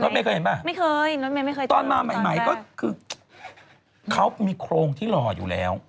พี่พี่มีคนที่เห็นตอนแรกใช่ไหมไม่เคยเห็นป่ะตอนมาใหม่ก็คือเขามีโครงที่หล่ออยู่แล้ว